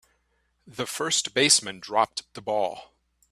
The first baseman dropped the ball.